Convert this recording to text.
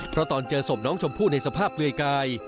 เพราะตอนเจอศพน้องชมพู่ในสภาพเปลือยกาย